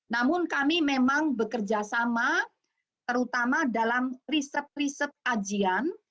namun kami memang bekerjasama terutama dalam riset riset kajian